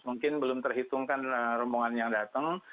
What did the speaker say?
mungkin belum terhitungkan rombongan yang datang